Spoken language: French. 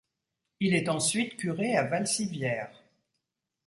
Il est ensuite curé à Valcivières.